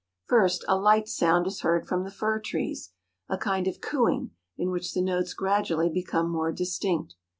First a light sound is heard from the fir trees, a kind of cooing in which the notes gradually become more distinct.